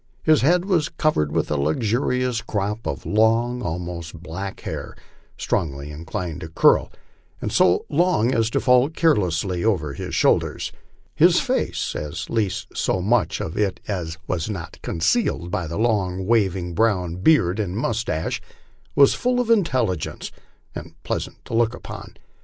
His head was covered with a luxuriant crop of long, almost black hair, strongly inclined to curl, and so long as to fall carelessly over his shoulders. His face, at least so much of it as was not concealed by the long, waving brown beard and moustache, was fall of intelligence and pleasant to look upon.